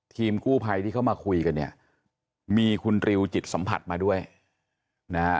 ทีมกู้ภัยที่เขามาคุยกันเนี่ยมีคุณริวจิตสัมผัสมาด้วยนะฮะ